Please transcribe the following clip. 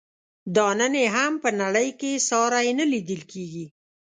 دا نن یې هم په نړۍ کې ساری نه لیدل کیږي.